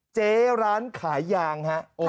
เจ๊ร้านขายยางฮะ